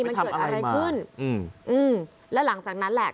มันเกิดอะไรขึ้นอืมอืมแล้วหลังจากนั้นแหละ